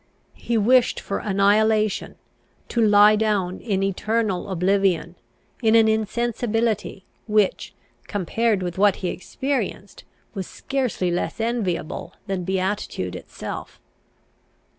He wished for annihilation, to lie down in eternal oblivion, in an insensibility, which, compared with what he experienced, was scarcely less enviable than beatitude itself.